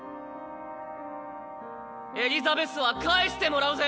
エリザベスは返してもらうぜ。